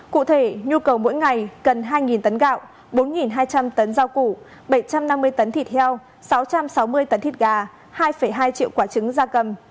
cụ thể nhu cầu mỗi ngày cần hai tấn gạo bốn hai trăm linh tấn rau củ bảy trăm năm mươi tấn thịt heo sáu trăm sáu mươi tấn thịt gà hai hai triệu quả trứng da cầm